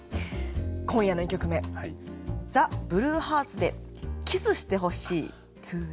今夜の１曲目ＴＨＥＢＬＵＥＨＥＡＲＴＳで「キスしてほしい」。